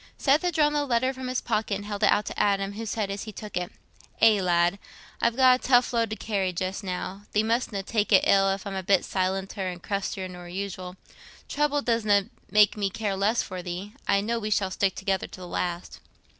Seth had drawn the letter from his pocket and held it out to Adam, who said, as he took it, "Aye, lad, I've got a tough load to carry just now—thee mustna take it ill if I'm a bit silenter and crustier nor usual. Trouble doesna make me care the less for thee. I know we shall stick together to the last."